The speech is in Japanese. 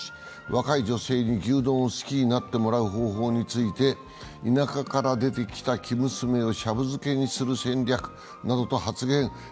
若い女性に牛丼を好きになってもらう方法について田舎から出てきた生娘をシャブ漬けにする戦略などと発言。